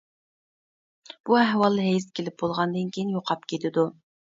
بۇ ئەھۋال ھەيز كېلىپ بولغاندىن كېيىن يوقاپ كېتىدۇ.